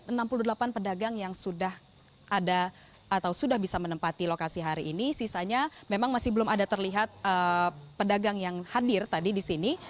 ada enam puluh delapan pedagang yang sudah ada atau sudah bisa menempati lokasi hari ini sisanya memang masih belum ada terlihat pedagang yang hadir tadi di sini